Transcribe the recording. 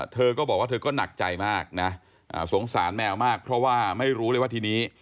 เธอก็บอกว่าเธอก็หนักใจมากนะสงสารแมวมากเพราะว่าไม่รู้เลยว่าทีนี้